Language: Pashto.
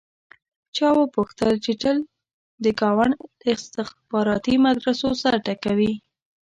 چا وپوښتل چې تل د ګاونډ له استخباراتي مدرسو سر ټکوې.